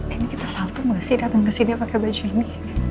ini kita saltung gak sih datang kesini pakai baju ini